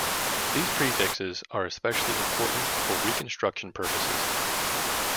These prefixes are especially important for reconstruction purposes.